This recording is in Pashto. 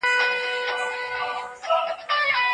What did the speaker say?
د اوبو پر وړاندې کار کول د عضلاتو ځواک زیاتوي.